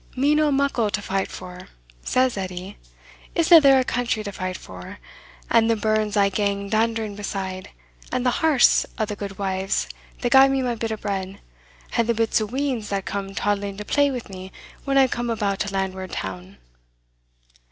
"Me no muckle to fight for?" says Edie. "Isna there the country to fight for, and the burns I gang dandering beside, and the hearths o' the gudewives that gie me my bit bread, and the bits o' weans that come toddling to play wi' me when I come about a landward town?"